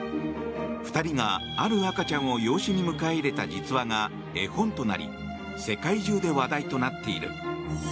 ２人がある赤ちゃんを養子に迎え入れた実話が絵本となり世界中で話題となっている。